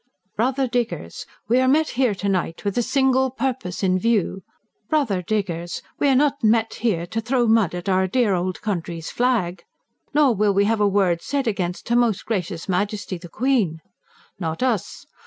"Brother diggers! We are met here to night with a single purpose in view. Brother diggers! We are not met here to throw mud at our dear old country's flag! Nor will we have a word said against her most gracious Majesty, the Queen. Not us!